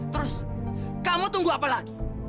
terus kamu tunggu apa lagi